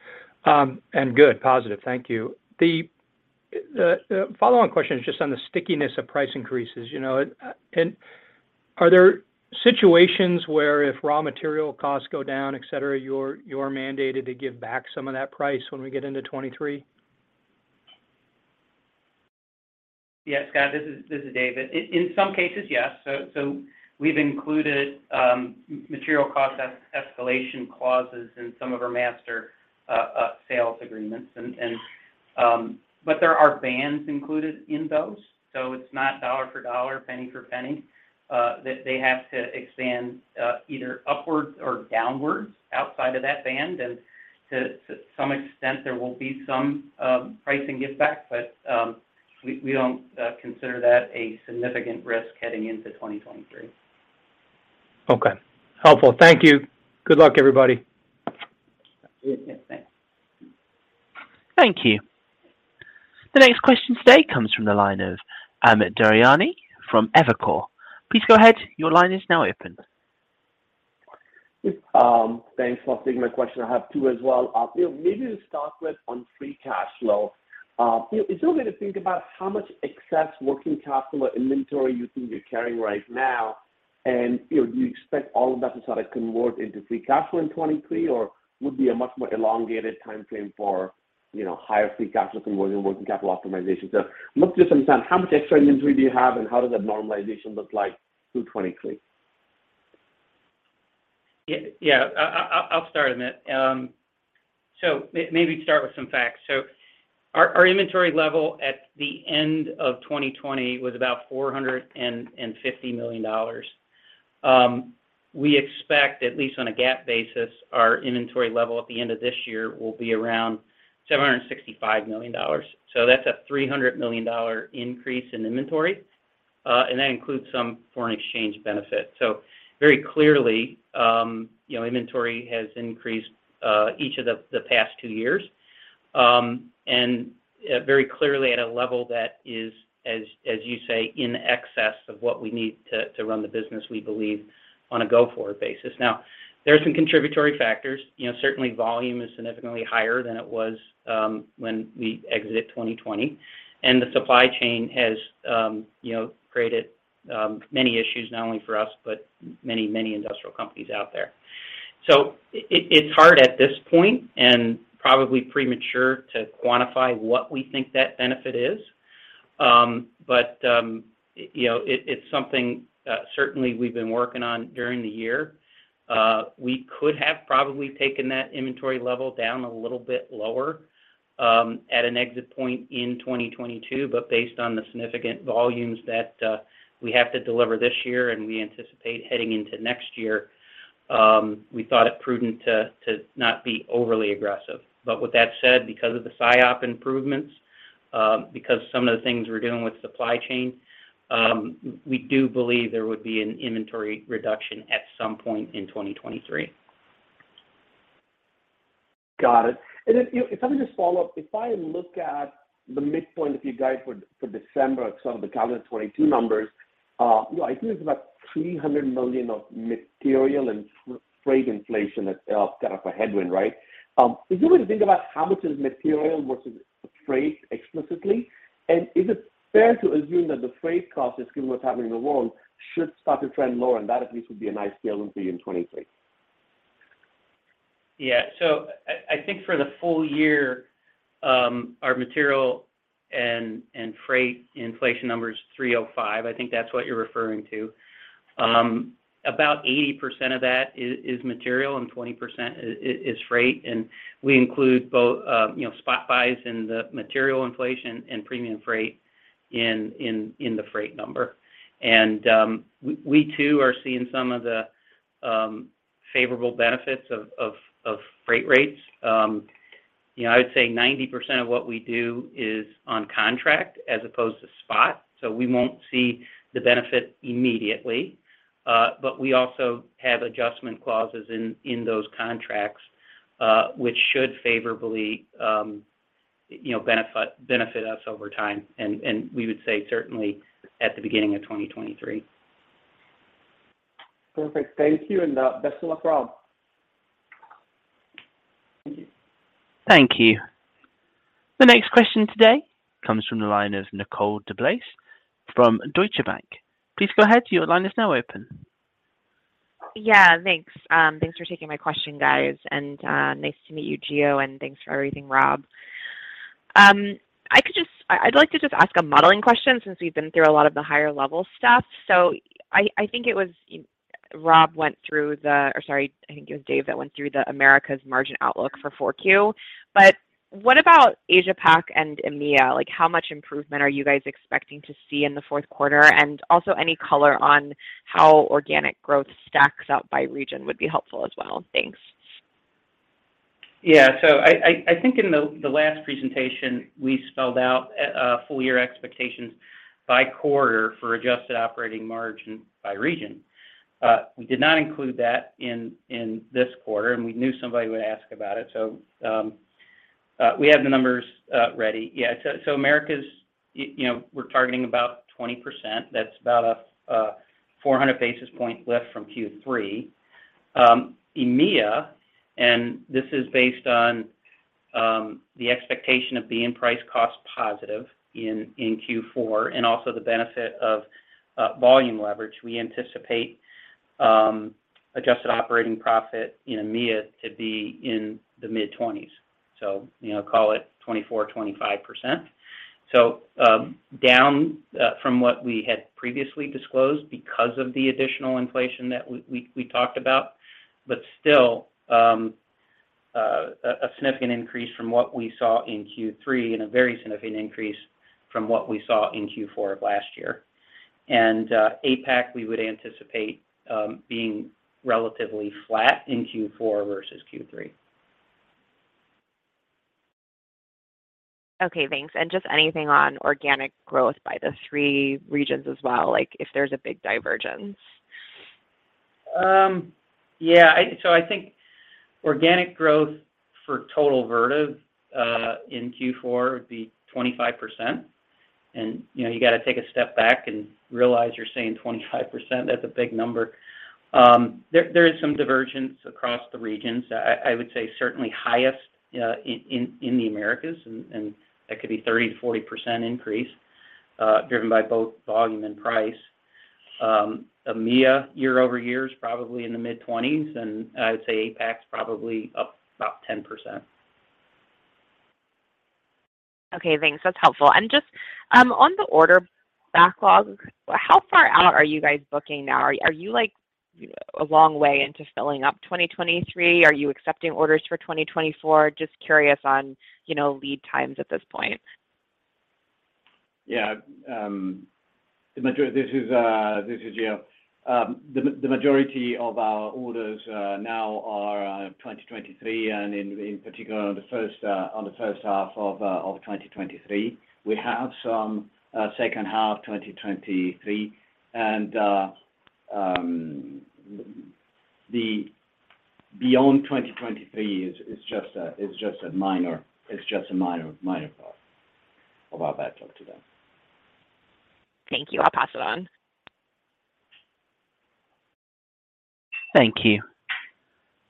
and good, positive. Thank you. The follow-on question is just on the stickiness of price increases, you know? Are there situations where if raw material costs go down, et cetera, you're mandated to give back some of that price when we get into 2023? Yeah, Scott, this is David. In some cases, yes. We've included material cost escalation clauses in some of our master sales agreements, and there are bands included in those, so it's not dollar for dollar, penny for penny that they have to expand either upwards or downwards outside of that band. To some extent, there will be some pricing give back, but we don't consider that a significant risk heading into 2023. Okay. Helpful. Thank you. Good luck, everybody. Yeah. Thanks. Thank you. The next question today comes from the line of Amit Daryanani from Evercore. Please go ahead. Your line is now open. Yes. Thanks for taking my question. I have two as well. You know, maybe to start with on free cash flow. You know, is there a way to think about how much excess working capital inventory you think you're carrying right now? And, you know, do you expect all of that to sort of convert into free cash flow in 2023, or would be a much more elongated timeframe for, you know, higher free cash flow conversion, working capital optimization? I'm looking to just understand how much extra inventory do you have, and how does that normalization look like through 2023? Yeah. I'll start, Amit. Maybe start with some facts. Our inventory level at the end of 2020 was about $450 million. We expect at least on a GAAP basis, our inventory level at the end of this year will be around $765 million. That's a $300 million increase in inventory, and that includes some foreign exchange benefit. Very clearly, you know, inventory has increased each of the past two years, and very clearly at a level that is, as you say, in excess of what we need to run the business we believe on a go-forward basis. Now, there are some contributory factors. You know, certainly volume is significantly higher than it was when we exited 2020, and the supply chain has, you know, created many issues not only for us, but many industrial companies out there. It's hard at this point and probably premature to quantify what we think that benefit is. You know, it's something certainly we've been working on during the year. We could have probably taken that inventory level down a little bit lower at an exit point in 2022, but based on the significant volumes that we have to deliver this year and we anticipate heading into next year, we thought it prudent to not be overly aggressive. With that said, because of the SIOP improvements, because some of the things we're doing with supply chain, we do believe there would be an inventory reduction at some point in 2023. Got it. You, if I can just follow up, if I look at the midpoint of your guide for December, some of the calendar 2022 numbers, you know, I think it's about $300 million of material and freight inflation that's kind of a headwind, right? Is it good to think about how much is material versus freight explicitly? Is it fair to assume that the freight cost, given what's happening in the world, should start to trend lower, and that at least would be a nice tailwind for you in 2023? Yeah. I think for the full year, our material and freight inflation number is 305. I think that's what you're referring to. About 80% of that is material and 20% is freight. We include both, you know, spot buys in the material inflation and premium freight in the freight number. We too are seeing some of the favorable benefits of freight rates. You know, I would say 90% of what we do is on contract as opposed to spot, so we won't see the benefit immediately. We also have adjustment clauses in those contracts, which should favorably, you know, benefit us over time and we would say certainly at the beginning of 2023. Perfect. Thank you. Best of luck, Rob. Thank you. Thank you. The next question today comes from the line of Nicole DeBlase from Deutsche Bank. Please go ahead, your line is now open. Yeah, thanks. Thanks for taking my question, guys. Nice to meet you, Gio, and thanks for everything, Rob. I'd like to just ask a modeling question since we've been through a lot of the higher level stuff. I think it was Dave that went through the Americas margin outlook for Q4. What about Asia Pac and EMEA? Like, how much improvement are you guys expecting to see in the fourth quarter? Also any color on how organic growth stacks up by region would be helpful as well. Thanks. Yeah. I think in the last presentation, we spelled out a full year expectations by quarter for adjusted operating margin by region. We did not include that in this quarter, and we knew somebody would ask about it. We have the numbers ready. Yeah, Americas, you know, we're targeting about 20%. That's about a 400 basis points lift from Q3. EMEA, and this is based on the expectation of being price-cost positive in Q4 and also the benefit of volume leverage. We anticipate adjusted operating profit in EMEA to be in the mid-20%s. You know, call it 24%-25%. Down from what we had previously disclosed because of the additional inflation that we talked about. Still, a significant increase from what we saw in Q3 and a very significant increase from what we saw in Q4 of last year. APAC, we would anticipate being relatively flat in Q4 versus Q3. Okay, thanks. Just anything on organic growth by the three regions as well, like if there's a big divergence? So I think organic growth for total Vertiv in Q4 would be 25%. You know, you gotta take a step back and realize you're saying 25%. That's a big number. There is some divergence across the regions. I would say certainly highest in the Americas, and that could be 30%-40% increase driven by both volume and price. EMEA year-over-year is probably in the mid-20%s, and I'd say APAC's probably up about 10%. Okay, thanks. That's helpful. Just, on the order backlog, how far out are you guys booking now? Are you like a long way into filling up 2023? Are you accepting orders for 2024? Just curious on, you know, lead times at this point. Yeah. This is Gio. The majority of our orders now are 2023 and in particular on the first half of 2023. We have some second half 2023 and the beyond 2023 is just a minor part of our backlog today. Thank you. I'll pass it on. Thank you.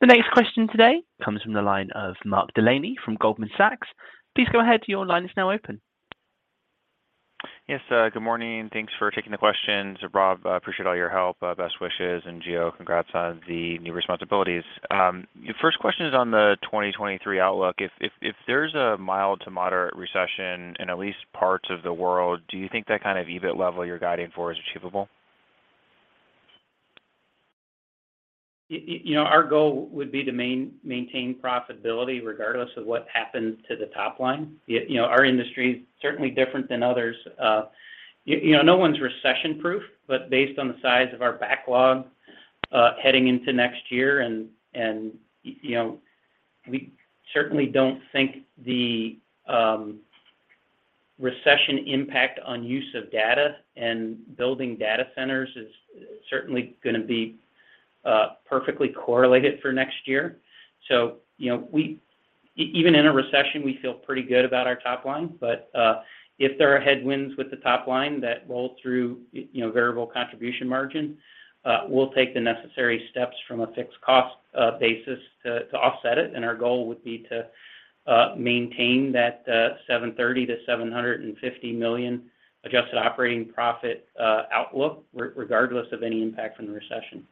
The next question today comes from the line of Mark Delaney from Goldman Sachs. Please go ahead, your line is now open. Yes, good morning. Thanks for taking the questions. Rob, I appreciate all your help, best wishes. Gio, congrats on the new responsibilities. First question is on the 2023 outlook. If there's a mild to moderate recession in at least parts of the world, do you think that kind of EBIT level you're guiding for is achievable? You know, our goal would be to maintain profitability regardless of what happens to the top line. You know, our industry is certainly different than others. You know, no one's recession-proof, but based on the size of our backlog, heading into next year and you know, we certainly don't think the recession impact on use of data and building data centers is certainly gonna be perfectly correlated for next year. You know, we even in a recession, we feel pretty good about our top line. If there are headwinds with the top line that roll through, you know, variable contribution margin, we'll take the necessary steps from a fixed cost basis to offset it, and our goal would be to maintain that $730 million-$750 million adjusted operating profit outlook regardless of any impact from the recession.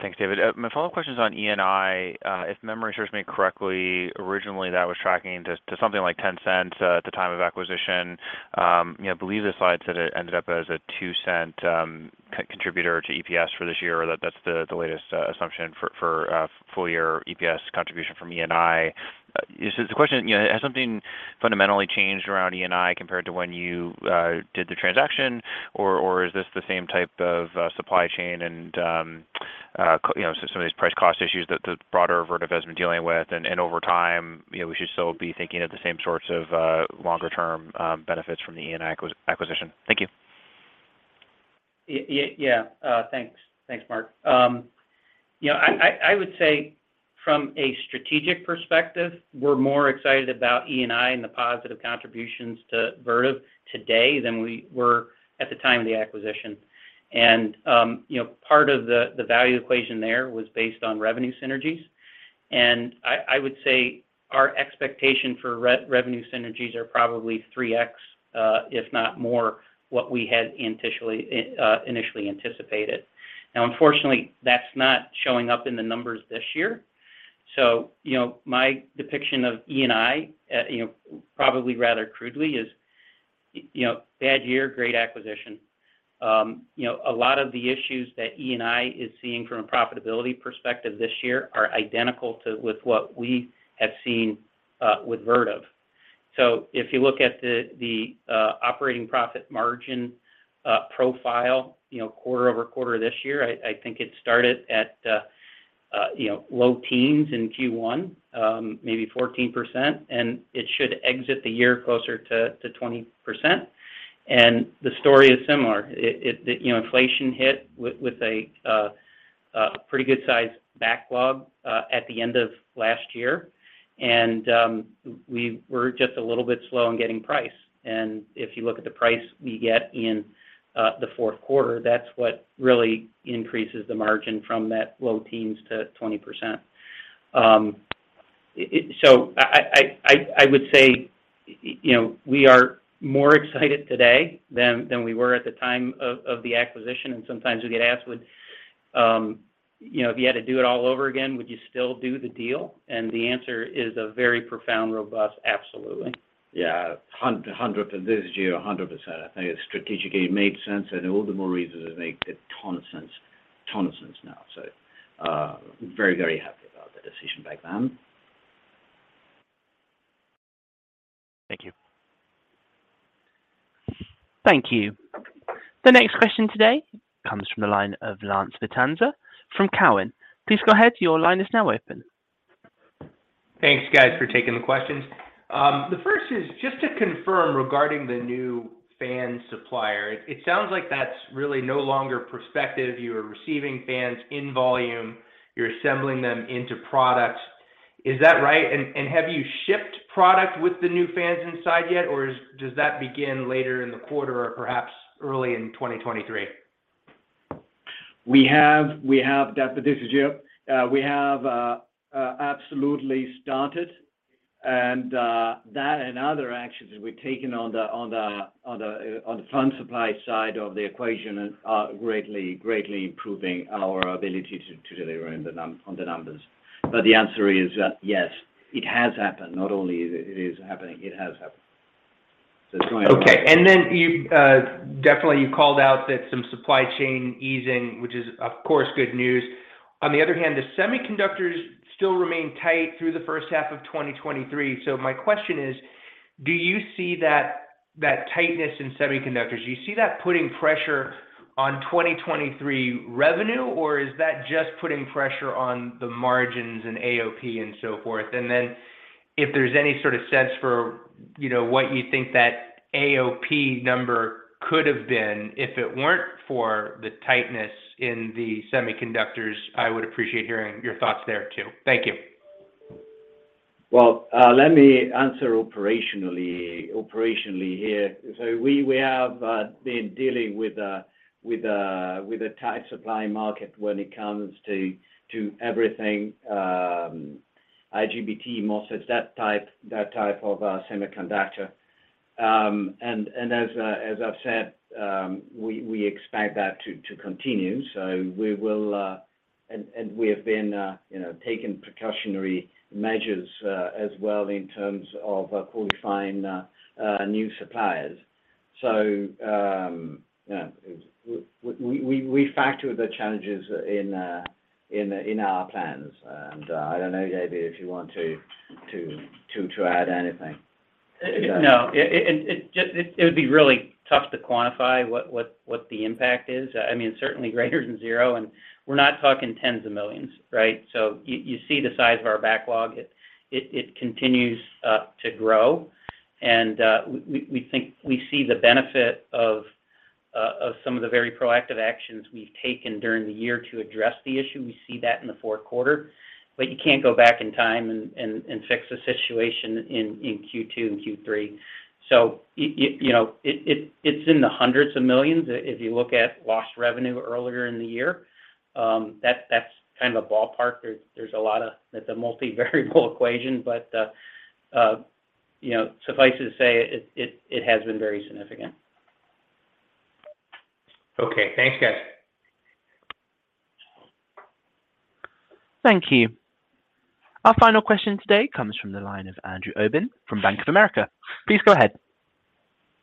Thanks, David. My follow-up question is on E&I. If memory serves me correctly, originally, that was tracking to something like $0.10 at the time of acquisition. You know, I believe the slide said it ended up as a $0.02 co-contributor to EPS for this year, or that's the latest assumption for full year EPS contribution from E&I. So the question, you know, has something fundamentally changed around E&I compared to when you did the transaction? Or is this the same type of supply chain and you know, some of these price-cost issues that the broader Vertiv has been dealing with? Over time, you know, we should still be thinking of the same sorts of longer term benefits from the E&I acquisition. Thank you. Yeah. Thanks. Thanks, Mark. You know, I would say from a strategic perspective, we're more excited about E&I and the positive contributions to Vertiv today than we were at the time of the acquisition. You know, part of the value equation there was based on revenue synergies. I would say our expectation for revenue synergies are probably 3x, if not more, what we had initially anticipated. Now, unfortunately, that's not showing up in the numbers this year. You know, my depiction of E&I, you know, probably rather crudely is, you know, bad year, great acquisition. You know, a lot of the issues that E&I is seeing from a profitability perspective this year are identical to what we have seen with Vertiv. If you look at the operating profit margin profile, you know, quarter-over-quarter this year, I think it started at low teens in Q1, maybe 14%, and it should exit the year closer to 20%. The story is similar. It you know, inflation hit with a pretty good size backlog at the end of last year. We were just a little bit slow on getting price. If you look at the price we get in the fourth quarter, that's what really increases the margin from that low teens to 20%. I would say, you know, we are more excited today than we were at the time of the acquisition. Sometimes we get asked, "if you had to do it all over again, would you still do the deal?" The answer is a very profound, robust, absolutely. Yeah. 100% for this year, 100%. I think it strategically made sense and all the more reasons it make a ton of sense now. Very, very happy about the decision back then. Thank you. Thank you. The next question today comes from the line of Lance Vitanza from Cowen. Please go ahead. Your line is now open. Thanks, guys, for taking the questions. The first is just to confirm regarding the new fan supplier. It sounds like that's really no longer prospective. You are receiving fans in volume. You're assembling them into products. Is that right? And have you shipped product with the new fans inside yet, or does that begin later in the quarter or perhaps early in 2023? This is Gio. We have absolutely started. That and other actions we've taken on the fan supply side of the equation are greatly improving our ability to deliver on the numbers. The answer is, yes, it has happened. Not only it is happening, it has happened. It's going well. Okay. Then you definitely called out that some supply chain easing, which is, of course, good news. On the other hand, the semiconductors still remain tight through the first half of 2023. My question is, do you see that tightness in semiconductors putting pressure on 2023 revenue, or is that just putting pressure on the margins and AOP and so forth? Then if there's any sort of sense for, you know, what you think that AOP number could have been if it weren't for the tightness in the semiconductors, I would appreciate hearing your thoughts there, too. Thank you. Well, let me answer operationally here. We have been dealing with a tight supply market when it comes to everything, IGBT, MOSFETs, that type of semiconductor. As I've said, we expect that to continue. We will and we have been you know taking precautionary measures as well in terms of qualifying new suppliers. Yeah, we factor the challenges in our plans. I don't know, David, if you want to add anything. No. It would be really tough to quantify what the impact is. I mean, certainly greater than zero, and we're not talking $10s of millions, right? You see the size of our backlog. It continues to grow. We think we see the benefit of some of the very proactive actions we've taken during the year to address the issue. We see that in the fourth quarter. You can't go back in time and fix the situation in Q2 and Q3. You know, it's in the hundreds of millions. If you look at lost revenue earlier in the year, that's kind of a ballpark. It's a multi-variable equation. You know, suffice it to say, it has been very significant. Okay. Thanks, guys. Thank you. Our final question today comes from the line of Andrew Obin from Bank of America. Please go ahead.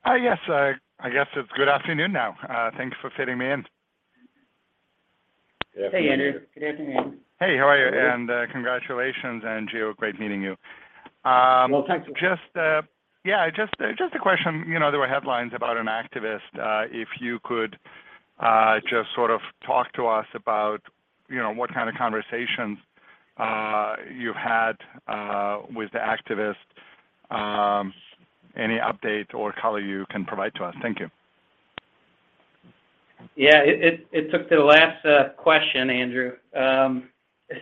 Yes. I guess it's good afternoon now. Thanks for fitting me in. Good afternoon, Andrew. Hey, Andrew. Good afternoon. Hey, how are you? Congratulations, and Gio, great meeting you. Well, thank you. Just a question. You know, there were headlines about an activist. If you could just sort of talk to us about, you know, what kind of conversations you've had with the activist. Any update or color you can provide to us. Thank you. It took till last question, Andrew. A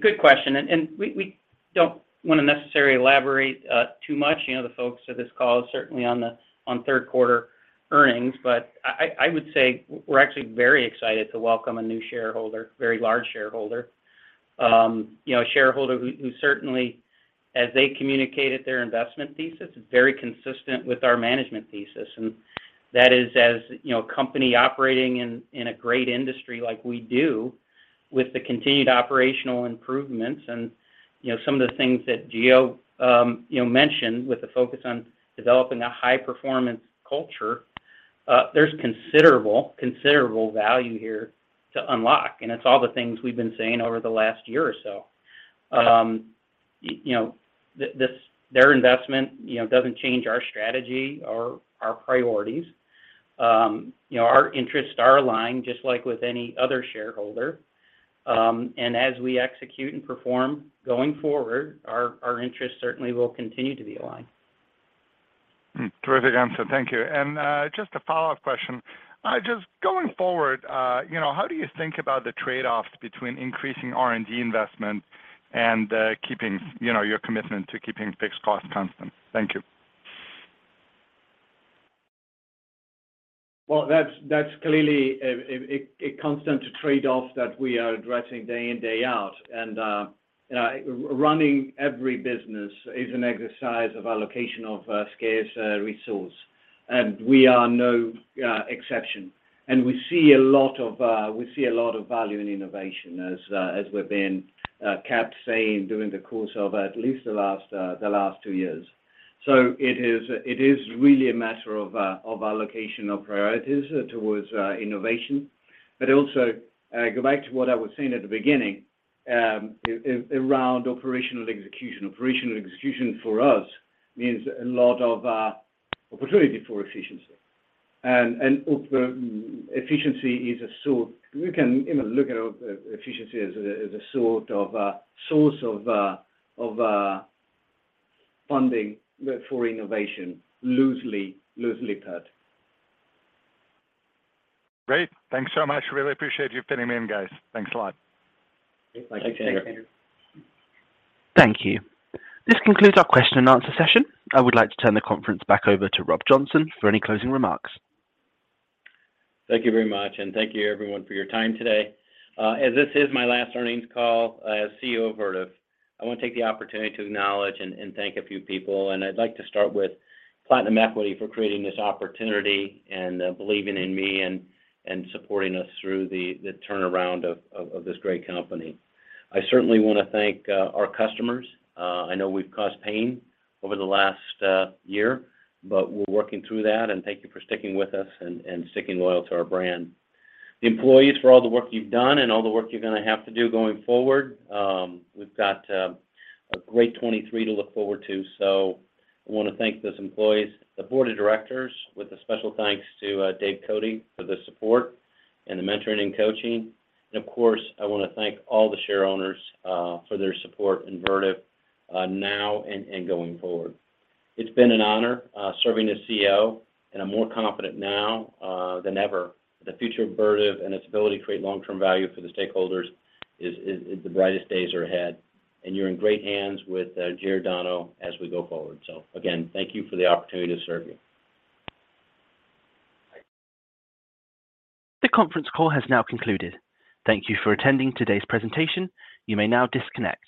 good question. We don't wanna necessarily elaborate too much, you know, to the folks on this call certainly on the third quarter earnings. I would say we're actually very excited to welcome a new shareholder, very large shareholder. A shareholder who certainly as they communicated their investment thesis, it's very consistent with our management thesis. And that is as, you know, a company operating in a great industry like we do with the continued operational improvements and, you know, some of the things that Gio mentioned with the focus on developing a high performance culture. There's considerable value here to unlock. And it's all the things we've been saying over the last year or so. You know, their investment, you know, doesn't change our strategy or our priorities. You know, our interests are aligned just like with any other shareholder. As we execute and perform going forward, our interests certainly will continue to be aligned. Terrific answer. Thank you. Just a follow-up question. Just going forward, you know, how do you think about the trade-offs between increasing R&D investment and keeping, you know, your commitment to keeping fixed costs constant? Thank you. Well, that's clearly a constant trade-off that we are addressing day in, day out. Running every business is an exercise of allocation of scarce resource, and we are no exception. We see a lot of value in innovation as we've been kept saying during the course of at least the last two years. It is really a matter of allocation of priorities towards innovation. Also, go back to what I was saying at the beginning, around operational execution. Operational execution for us means a lot of opportunity for efficiency. Of the efficiency is a sort, we can, you know, look at efficiency as a sort of source of funding for innovation, loosely put. Great. Thanks so much. Really appreciate you fitting me in, guys. Thanks a lot. Thanks. Thanks, Andrew. Thank you. This concludes our question and answer session. I would like to turn the conference back over to Rob Johnson for any closing remarks. Thank you very much, and thank you everyone for your time today. As this is my last earnings call as CEO of Vertiv, I wanna take the opportunity to acknowledge and thank a few people. I'd like to start with Platinum Equity for creating this opportunity and believing in me and supporting us through the turnaround of this great company. I certainly wanna thank our customers. I know we've caused pain over the last year, but we're working through that, and thank you for sticking with us and sticking loyal to our brand. The employees for all the work you've done and all the work you're gonna have to do going forward, we've got a great 2023 to look forward to, so I wanna thank those employees. The board of directors with a special thanks to Dave Cote for the support and the mentoring and coaching. Of course, I wanna thank all the share owners for their support in Vertiv, now and going forward. It's been an honor serving as CEO, and I'm more confident now than ever the future of Vertiv and its ability to create long-term value for the stakeholders is. The brightest days are ahead, and you're in great hands with Giordano as we go forward. Again, thank you for the opportunity to serve you. The conference call has now concluded. Thank you for attending today's presentation. You may now disconnect.